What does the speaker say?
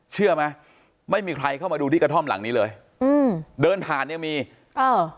เชื่อไหมไม่มีใครเข้ามาดูที่กระท่อมหลังนี้เลยอืมเดินผ่านยังมีเออ